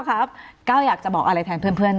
ก้าวอยากจะบอกอะไรแทนเพื่อน